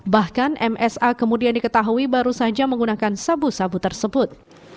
bahkan msa kemudian diketahui baru saja menggunakan sabu sabu tersebut